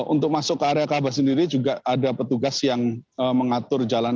untuk masuk ke area kaabah sendiri juga ada petugas yang mengatur jalan